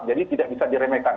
jadi tidak bisa diremehkan